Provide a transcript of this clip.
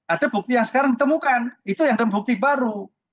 ada bukti yang sekarang ditemukan itu yang bukti baru